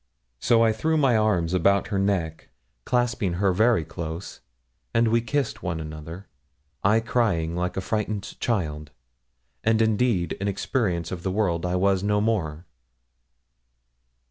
So I threw my arms about her neck, clasping her very close, and we kissed one another, I crying like a frightened child and indeed in experience of the world I was no more.